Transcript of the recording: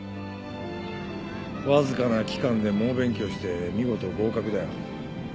わずかな期間で猛勉強して見事合格だよ。